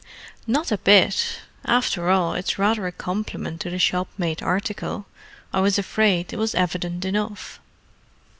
"Not a bit—after all, it's rather a compliment to the shop made article. I was afraid it was evident enough."